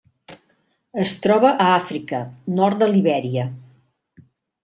Es troba a Àfrica: nord de Libèria.